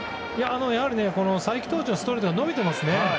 やはり才木投手のストレートが伸びてますね。